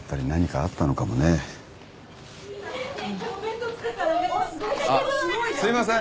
あっすいません。